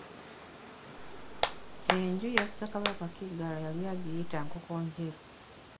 Enju ya Ssekabaka Kiggala yali agiyita Nkokonjeru.